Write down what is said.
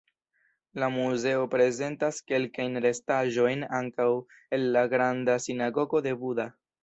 La muzeo prezentas kelkajn restaĵojn ankaŭ el la "granda sinagogo de Buda".